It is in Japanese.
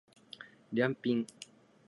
りゃんぴん